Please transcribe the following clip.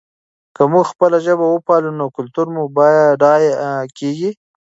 که موږ خپله ژبه وپالو نو کلتور مو بډایه کېږي.